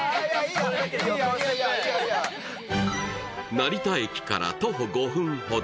成田駅から徒歩５分ほど。